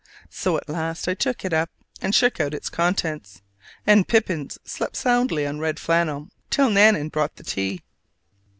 So at last I took it up and shook out its contents; and Pippins slept soundly on red flannel till Nan nan brought the tea.